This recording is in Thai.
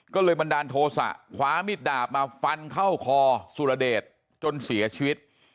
ก็เลยบันดาลโทษะคว้ามิดดาบมาฟันเข้าคอสุรเดชจนเสียชีวิต